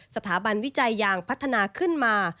สถาบันวิจัยยางพัฒนาขึ้นมา